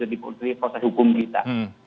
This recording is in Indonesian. di proses hukum kita